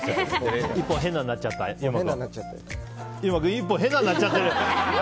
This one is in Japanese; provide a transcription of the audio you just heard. １本、何か変なんなっちゃってる。